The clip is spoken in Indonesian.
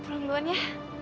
pulang dulu ya